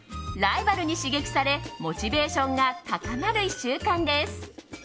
ライバルに刺激されモチベーションが高まる１週間です。